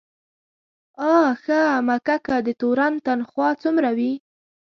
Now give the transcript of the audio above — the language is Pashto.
آ ښه مککه، د تورن تنخواه څومره وي؟